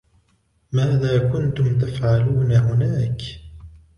ماذا كُنتم تفعلون هناك؟